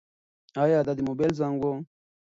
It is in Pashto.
ایا دا د موبایل زنګ و؟